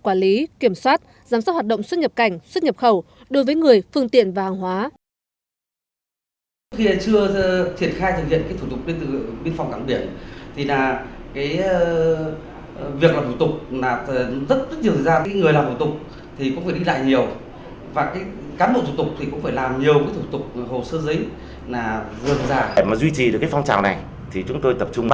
quản lý kiểm soát giám sát hoạt động xuất nhập cảnh xuất nhập khẩu đối với người phương tiện và hàng hóa